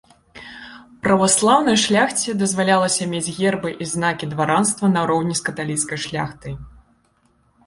Праваслаўнай шляхце дазвалялася мець гербы і знакі дваранства нароўні з каталіцкай шляхтай.